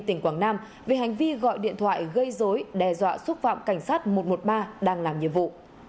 tỉnh quảng nam về hành vi gọi điện thoại gây dối đe dọa xúc phạm cảnh sát một trăm một mươi ba đang làm nhiệm vụ